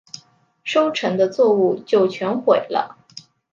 收成的作物就全毁了